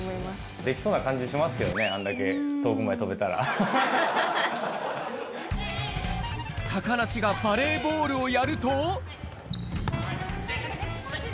できそうな感じしますよね、高梨がバレーボールをやると。